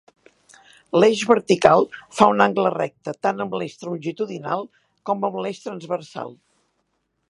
L'eix vertical fa un angle recte tant amb l'eix longitudinal com amb l'eix transversal.